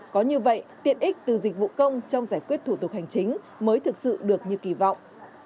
có như vậy tiện ích từ dịch vụ công trong giải quyết thủ tục hành chính mới thực sự được như kỳ vọng